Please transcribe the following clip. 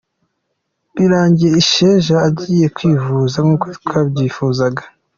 Birangiye Sheja agiye kwivuza nkuko twabyifuzaga.